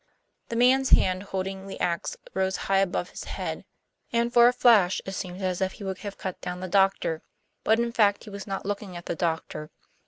The man's hand holding the ax rose high above his head, and for a flash it seemed as if he would have cut down the doctor. But in fact he was not looking at the doctor.